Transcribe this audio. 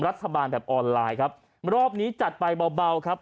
รัฐบาลแบบออนไลน์ครับรอบนี้จัดไปเบาเบาครับ